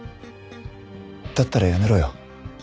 だったらやめろよ。